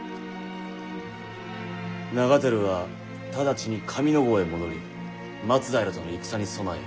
長照は直ちに上ノ郷へ戻り松平との戦に備えよ。